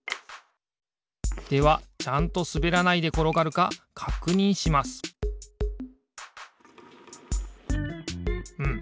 ではちゃんとすべらないでころがるかかくにんしますうん。